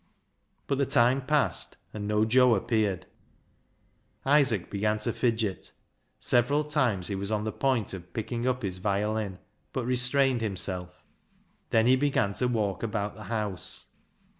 But the time passed and no Joe appeared, Isaac began to fidget. Several times he was on the point of picking up his violin, but re strained himself. Then he began to walk about the house.